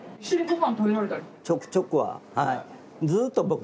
ちょくちょくは。